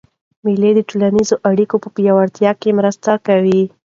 مېلې د ټولنیزو اړیکو په پیاوړتیا کښي مرسته کوي.